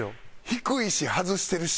低いし外してるし。